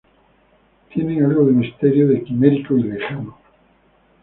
tienen algo de misterioso, de quimérico y lejano